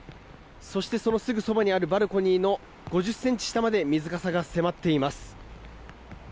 そして、そのすぐそばにあるバルコニーの５０ｃｍ下まで水かさが迫っています。